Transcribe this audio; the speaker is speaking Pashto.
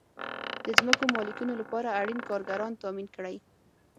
د ځمکو مالکینو لپاره اړین کارګران تامین کړئ.